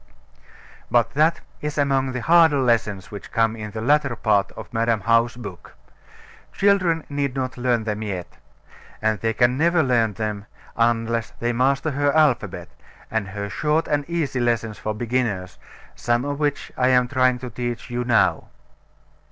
But that is among the harder lessons which come in the latter part of Madam How's book. Children need not learn them yet; and they can never learn them, unless they master her alphabet, and her short and easy lessons for beginners, some of which I am trying to teach you now.